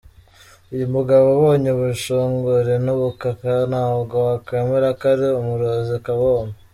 Uyu mugabo umubonye ubushongore n’ ubukaka ntabwo wakwemera ko ari umurozi kabombo.